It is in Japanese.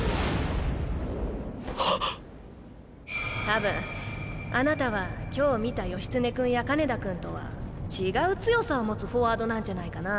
多分あなたは今日見た義経君や金田君とは違う強さを持つフォワードなんじゃないかな？